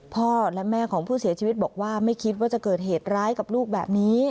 พ่อและแม่ของผู้เสียชีวิตบอกว่าไม่คิดว่าจะเกิดเหตุร้ายกับลูกแบบนี้